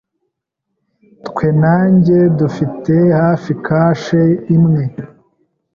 Twe na njye dufite hafi kashe imwe.